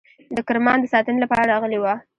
د کرمان د ساتنې لپاره راغلي وه.